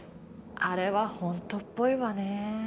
あれはホントっぽいわね。